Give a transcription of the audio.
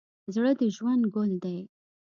زړه د ژوند ګل دی.